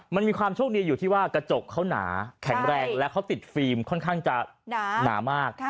มันมีความโชคดีอยู่ที่ว่ากระจกเขาหนาแข็งแรงและเขาติดฟิล์มค่อนข้างจะหนามาก